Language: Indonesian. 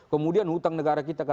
kemudian hutang negara kita